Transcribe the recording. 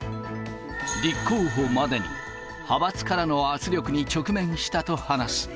立候補までに、派閥からの圧力に直面したと話す。